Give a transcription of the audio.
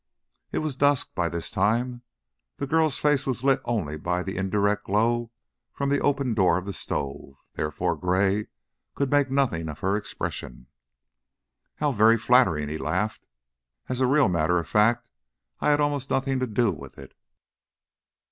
It was dusk by this time; the girl's face was lit only by the indirect glow from the open door of the stove, therefore Gray could make nothing of her expression. "How very flattering!" he laughed. "As a real matter of fact, I had almost nothing to do with it."